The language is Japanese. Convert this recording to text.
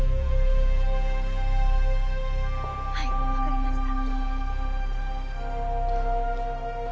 はいわかりました。